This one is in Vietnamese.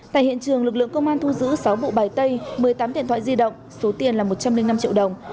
tại hiện trường lực lượng công an thu giữ sáu bộ bài tay một mươi tám điện thoại di động số tiền là một trăm linh năm triệu đồng